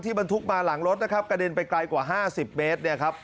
บรรทุกมาหลังรถนะครับกระเด็นไปไกลกว่า๕๐เมตรเนี่ยครับ